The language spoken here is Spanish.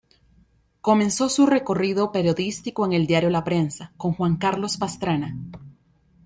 Comenzó su recorrido periodístico en el diario La Prensa, con Juan Carlos Pastrana.